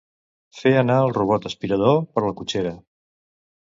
Fer anar el robot aspirador per la cotxera.